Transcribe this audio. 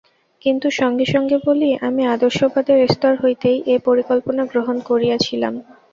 কিন্তু সঙ্গে সঙ্গে বলি, আমি আদর্শবাদের স্তর হইতেই এ পরিকল্পনা গ্রহণ করিয়াছিলাম।